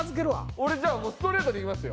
俺じゃあもうストレートにいきますよ。